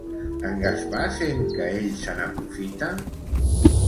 En Gaspar sent que ell se n'aprofita?